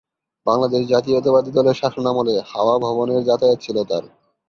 বাংলাদেশ জাতীয়তাবাদী দলের শাসনামলে হাওয়া ভবনের যাতায়াত ছিল তার।